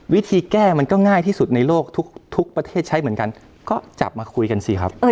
วิธีแก้มันก็ง่ายที่สุดในโลกทุกประเทศใช้เหมือนกันก็จับมาคุยกันสิครับ